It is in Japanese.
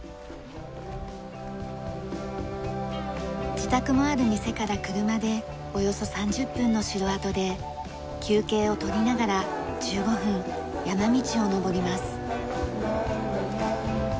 自宅もある店から車でおよそ３０分の城跡で休憩を取りながら１５分山道を登ります。